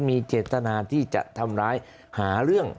มีเจตนาที่จะทำร้ายหาเรื่อง